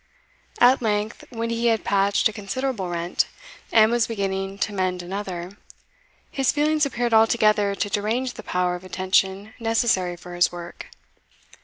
At length, when he had patched a considerable rent, and was beginning to mend another, his feelings appeared altogether to derange the power of attention necessary for his work.